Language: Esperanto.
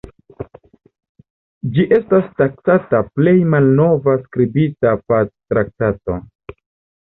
Ĝi estas taksata plej malnova skribita pactraktato.